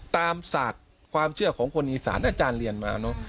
ศาสตร์ความเชื่อของคนอีสานอาจารย์เรียนมาเนอะ